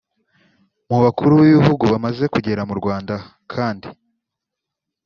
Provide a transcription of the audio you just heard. Mu bakuru b’ibihugu bamaze kugera mu Rwanda kandi